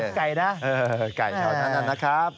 อืมไก่เงียบนั้นนะครับ